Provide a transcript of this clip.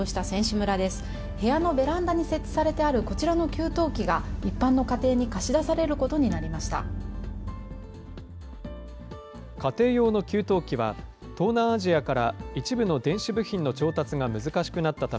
部屋のベランダに設置されてあるこちらの給湯器が一般の家庭に貸し出されることになりました。